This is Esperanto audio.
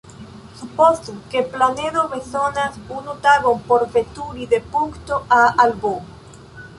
Supozu, ke planedo bezonas unu tagon por veturi de punkto "A" al "B".